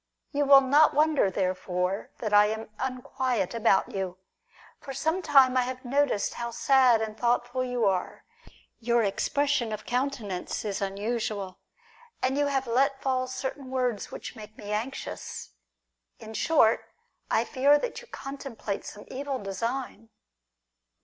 You will not wonder therefore that I am unquiet about you. For some time I have noticed how sad and thoughtful you are ; your expression of counten ance is unusual, and you have let fall certain words which make me anxious. In short, I fear that you contemplate some evil design.